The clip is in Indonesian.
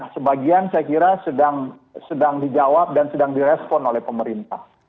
sebagian saya kira sedang dijawab dan sedang direspon oleh pemerintah